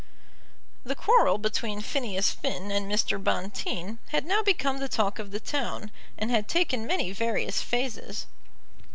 The quarrel between Phineas Finn and Mr. Bonteen had now become the talk of the town, and had taken many various phases.